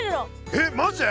えっマジで？